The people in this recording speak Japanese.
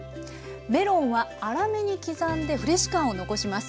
メロンは粗めに刻んでフレッシュ感を残します。